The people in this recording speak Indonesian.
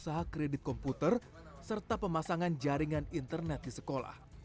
usaha kredit komputer serta pemasangan jaringan internet di sekolah